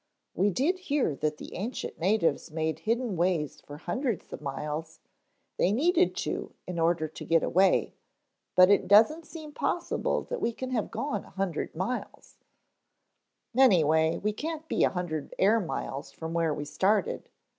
We did hear that the ancient natives made hidden ways for hundreds of miles; they needed to in order to get away, but it doesn't seem possible that we can have gone a hundred miles " "Anyway, we can't be a hundred air miles from where we started.